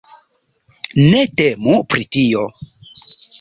Ne temu pri tio.